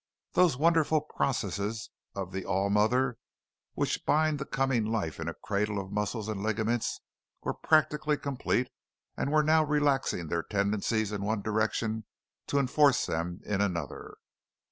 Those wonderful processes of the all mother, which bind the coming life in a cradle of muscles and ligaments were practically completed and were now relaxing their tendencies in one direction to enforce them in another.